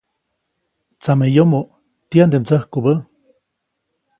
Tsameyomoʼ ¿tiyande mdsäjkubä?